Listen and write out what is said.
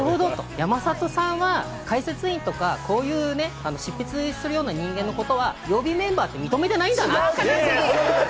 山里さんは解説委員とかこういう執筆するような人間のことは曜日メンバーと認めてないんだなって。